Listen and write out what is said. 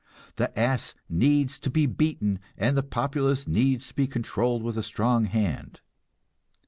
"The ass needs to be beaten, and the populace needs to be controlled with a strong hand."